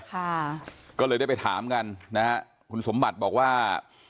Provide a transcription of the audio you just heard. ค่ะก็เลยได้ไปถามกันนะฮะคุณสมบัติบอกว่า